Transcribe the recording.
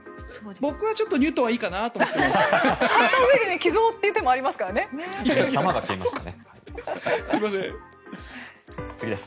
僕はちょっとニュートンはいいかなと思っています。